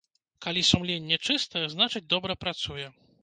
Калі сумленне чыстае, значыць, добра працуе.